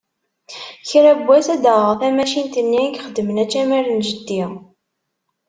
Kra n wass ad d-aɣeɣ tamacint-nni i d-ixeddmen acamar n jeddi.